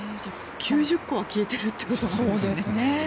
９０個は切っているということですね。